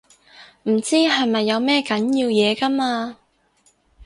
唔知係咪有咩緊要嘢㗎嘛